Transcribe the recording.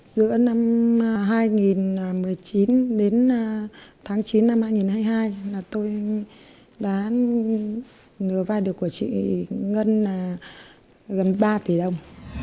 giữa năm hai nghìn một mươi chín đến tháng chín năm hai nghìn hai mươi hai là tôi đã lừa vay được của chị ngân là gần ba tỷ đồng